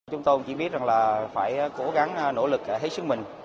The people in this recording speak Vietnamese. chúng tôi chỉ biết là phải cố gắng nỗ lực hết sức mình